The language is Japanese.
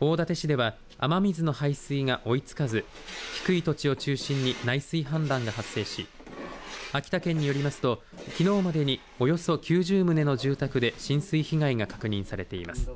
大館市では雨水の排水が追いつかず低い土地を中心に内水氾濫が発生し秋田県によりますときのうまでにおよそ９０棟の住宅で浸水被害が確認されています。